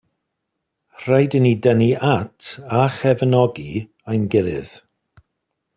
Rhaid i ni dynnu at a chefnogi ein gilydd.